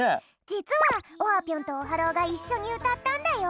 じつはオハぴょんとオハローがいっしょにうたったんだよ。